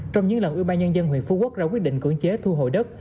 trong những lần ủy ban nhân dân huyện phú quốc đã quyết định cưỡng chế thu hội đất